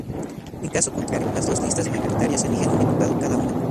En caso contrario, las dos listas mayoritarias eligen un diputado cada una.